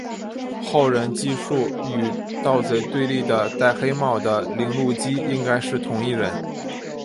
后人记述与盗贼对立的戴黑帽的铃鹿姬应该是同一人。